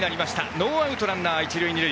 ノーアウトランナー、一塁二塁。